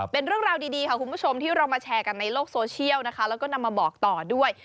เป็นเรื่องราวดีค่ะคุณผู้ชมที่เรามาแชร์กันในโลกโซเชียลนะคะแล้วก็นำมาบอกต่อด้วย